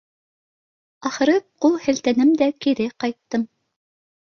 Ахыры, ҡул һелтәнем дә кире ҡайттым